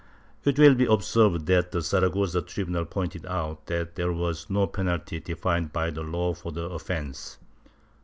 It will be observed that the Saragossa tribunal pointed out that there was no penalty defined by law for the offence.